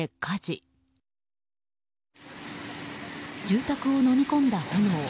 住宅をのみ込んだ炎。